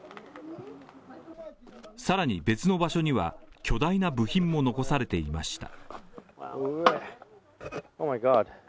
さらに別の場所には巨大な部品も残されていました